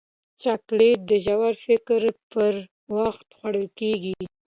چاکلېټ د ژور فکر پر وخت خوړل کېږي.